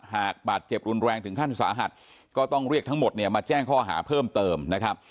หากบาดเจ็บรุนแรงถึงขั้นสาหัสก็ต้องเรียกทั้งหมดเนี่ยมาแจ้งข้อหาเพิ่มเติมนะครับ